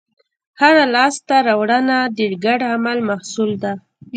هره لاستهراوړنه د ګډ عمل محصول ده.